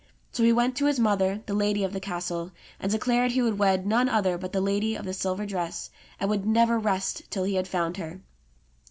So he went to his mother, the lady of the castle, and declared he would wed none other but the lady of the silver dress, and would never rest till he had found her.